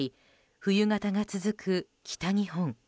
冬型が続く北日本。